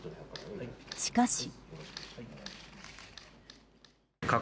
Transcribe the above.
しかし。